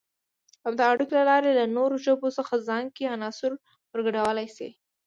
او د اړیکو له لارې له نورو ژبو څخه ځان کې عناصر ورګډولای شي